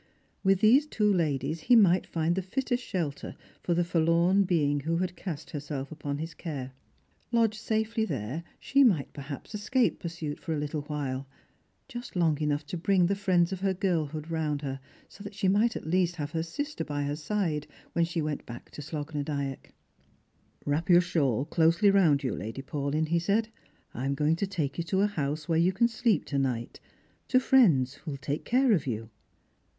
With these two ladies he might find the fittest shelter for the forlorn being who had cast herself upon his care. Lodged safely here, she might, perhaps, escape pursuit for a httle while — just long enough to bring the friends of her girlhood round her, so that she might at least have her sister by her side when she went back to Slogh na Dyack. " Wrap your shawl closely round you, Lady Paulyn," he said. 312 Strangers and Pilgrims. " I am going to take you to a house where you can sleep to« night — to friends who will take care of you."